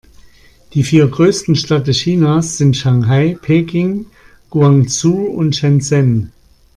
Die vier größten Städte Chinas sind Shanghai, Peking, Guangzhou und Shenzhen.